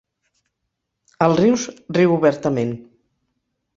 El Rius riu obertament.